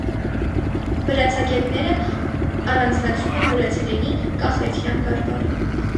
Վրացագետները առանձնացնում են վրացերենի կախեթյան բարբառը։